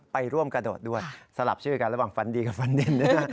ไปร่วมกระโดดด้วยสลับชื่อกันระหว่างฟันดีกับฟันดินด้วยนะ